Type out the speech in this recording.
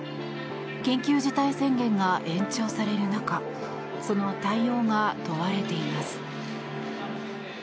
緊急事態宣言が延長される中その対応が問われています。